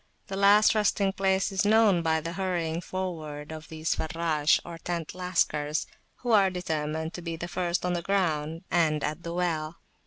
The last resting place is known by the hurrying forward of these Farrash, or tent Lascars, who are determined to be the first on the ground and at the well.